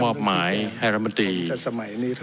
งบหมายให้รัฐมนตรี